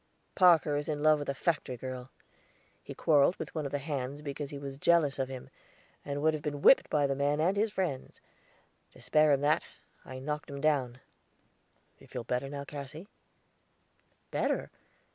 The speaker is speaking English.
"Parker is in love with a factory girl. He quarreled with one of the hands because he was jealous of him, and would have been whipped by the man and his friends; to spare him that, I knocked him down. Do you feel better now, Cassy?" "Better?